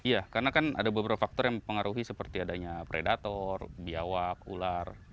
iya karena kan ada beberapa faktor yang mempengaruhi seperti adanya predator biawak ular